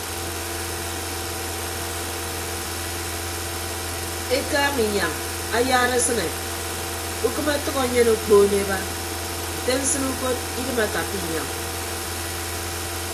Ekaaña inyañ ayara esịne ukịm ọtʌk enyen okpoon eba nte nsịn ukot idịm akappa inyañ.